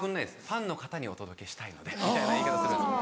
ファンの方にお届けしたいのでみたいな言い方するんです。